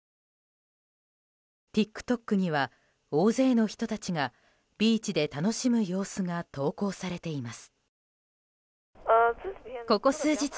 ＴｉｋＴｏｋには大勢の人たちがビーチで楽しむ様子が投稿されています。